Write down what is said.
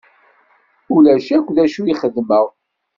Ulac akk d acu i xedmeɣ.